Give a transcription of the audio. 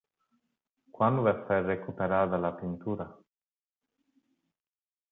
Quan va ser recuperada la pintura?